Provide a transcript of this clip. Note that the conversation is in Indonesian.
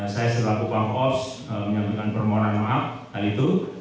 saya serah pupang os menyambutkan permohonan maaf hal itu